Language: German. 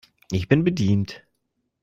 Ich bin bedient.